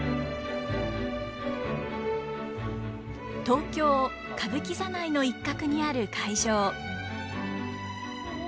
東京歌舞伎座内の一角にある会場。